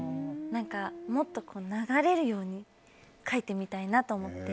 もっと、流れるように書いてみたいなと思って。